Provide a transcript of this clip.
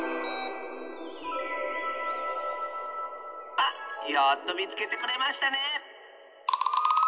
あっやっとみつけてくれましたね！